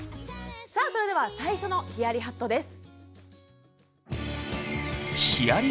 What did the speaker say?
さあそれでは最初のヒヤリハットです。